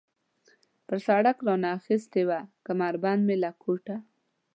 پر سړک را نه اخیستې وه، کمربند مې له کوټ.